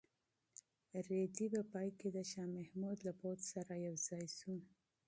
رېدی په پای کې د شاه محمود له پوځ سره یوځای شو.